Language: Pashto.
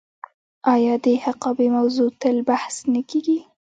آیا د حقابې موضوع تل بحث نه کیږي؟